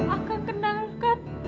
akang kenal kan